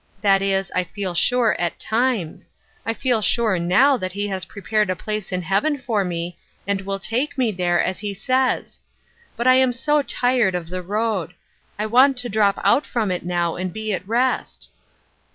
That is, I feel sure at times. I feel sure now that Le has prepared a place in heaven for me, and will take me there as he says. But I 206 Muth Erskine's Crosses, am so tired of the road ; I want to drop out from it now and be at rest."